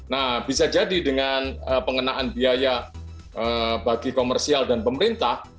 nah bisa jadi dengan pengenaan biaya bagi komersial dan pemerintah